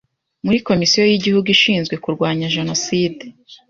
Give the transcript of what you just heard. Muri Komisiyo y’Igihugu Ishinzwe Kurwanya Jenoside